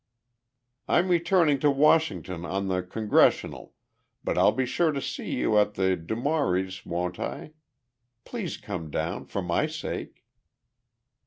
"I'm returning to Washington on the Congressional, but I'll be sure to see you at the de Maurys', won't I? Please come down for my sake!"